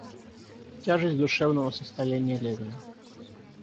Тяжесть душевного состояния Левина.